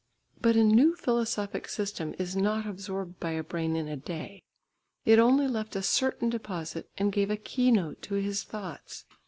But a new philosophic system is not absorbed by a brain in a day. It only left a certain deposit and gave a keynote to his thoughts.